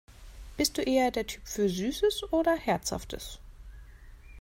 Bist du eher der Typ für Süßes oder Herzhaftes?